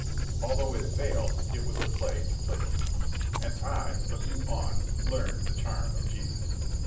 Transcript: Although it failed, it was a play to placate. And I, looking on, learned the charm of Jesus.